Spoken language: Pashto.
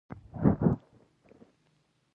حکم د مشر د پریکړې نښه ده